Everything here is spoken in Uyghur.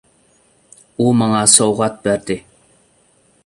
-ئۇ ماڭا سوۋغات بەردى!